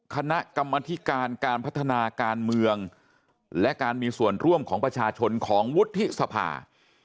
คณะกรรมธิการการพัฒนาการเมืองและการมีส่วนร่วมของประชาชนของวุฒิสภา